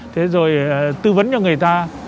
thế rồi tư vấn cho người ta